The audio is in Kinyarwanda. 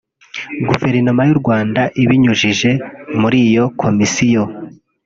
Guverinoma y’u Rwanda ibinyujije muri iyo komisiyo